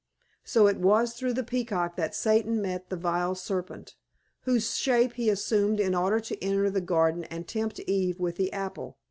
So it was through the Peacock that Satan met the vile Serpent, whose shape he assumed in order to enter the garden and tempt Eve with the apple.